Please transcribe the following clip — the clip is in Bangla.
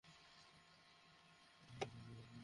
না হলে তাপ বেড়ে যায়।